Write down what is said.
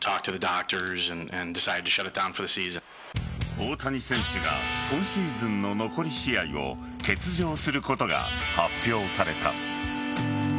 大谷選手が今シーズンの残り試合を欠場することが発表された。